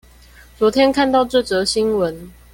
昨天看到這則新聞